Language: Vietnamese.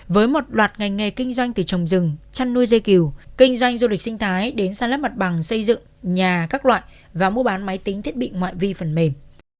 với một loạt ngành nghề kinh doanh từ trồng rừng chăn nuôi dây kiều kinh doanh du lịch sinh thái đến san lấp mặt bằng xây dựng nhà các loại và mua bán máy tính thiết bị ngoại vi phần mềm